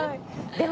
でも。